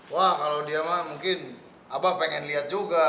wah kalau dia mah mungkin pengen lihat juga